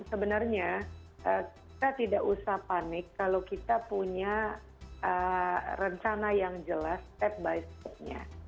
sebenarnya kita tidak usah panik kalau kita punya rencana yang jelas step by step nya